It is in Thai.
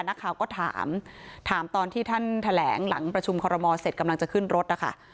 นักข่าวก็ถามถามตอนที่ท่านแถลงหลังประชุมคอรมอลเสร็จกำลังจะขึ้นรถนะคะ